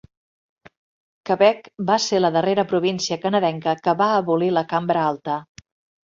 Quebec va ser la darrera província canadenca que va abolir la Cambra Alta.